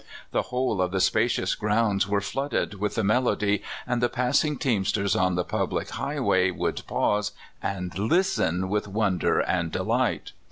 The whole of the spacious grounds were flooded with the melody, and the passing teamsters on the public highway would pause and listen with wonder and delight.